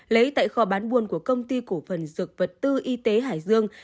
lấy tại kho bán buôn của công ty cổ phần dược vật tư y tế hải dương